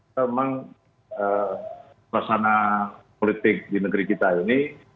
memang suasana politik di negeri kita ini